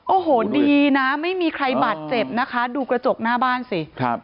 โอ้โหดีนะไม่มีใครบาดเจ็บนะคะดูกระจกหน้าบ้านสิครับ